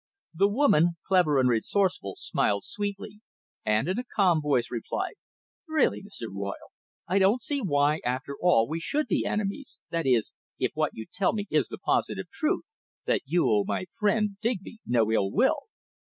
The woman, clever and resourceful, smiled sweetly, and in a calm voice replied: "Really, Mr. Royle, I don't see why, after all, we should be enemies, that is, if what you tell me is the positive truth, that you owe my friend Digby no ill will."